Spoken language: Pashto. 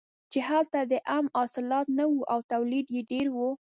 چې هلته د عم حاصلات نه وو او تولید یې ډېر و.